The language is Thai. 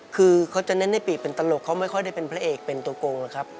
คือเขาจะเน้นในปีเป็นตลกเขาไม่ค่อยได้เป็นพระเอกเป็นตัวโกงหรอกครับ